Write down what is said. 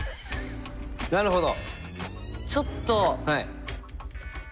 なるほど！